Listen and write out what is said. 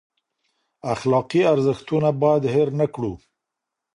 اخلاقي ارزښتونه باید هیر نه کړو.